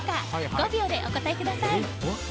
５秒でお答えください。